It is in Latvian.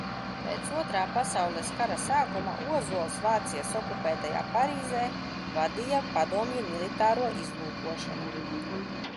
Pēc Otrā pasaules kara sākuma Ozols Vācijas okupētajā Parīzē vadīja padomju militāro izlūkošanu.